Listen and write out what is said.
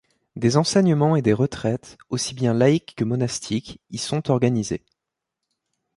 Des enseignements et des retraites, aussi bien laïques que monastiques, y sont organisés.